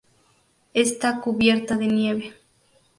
Está cubierta de nieve.